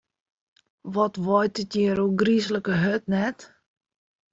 Wat waait it hjir ôfgryslike hurd, net?